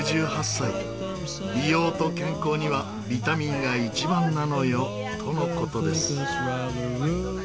「美容と健康にはビタミンが一番なのよ」との事です。